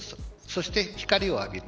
そして光を浴びる。